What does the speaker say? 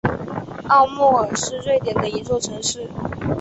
奥莫尔是瑞典的一座城市。